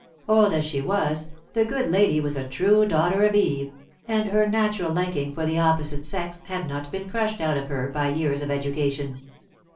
Old as she was, the good lady was a true daughter of Eve, and her natural liking for the opposite sex had not been crushed out of her by years of education.